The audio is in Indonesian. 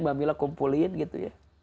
mbak mila kumpulin gitu ya